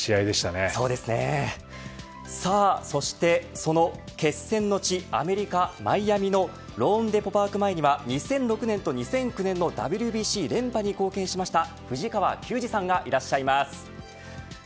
さあそして、その決戦の地アメリカ、マイアミのローンデポ・パーク前には２００６年と２００９年のＷＢＣ連覇に貢献しました藤川球児さんがいらっしゃいます。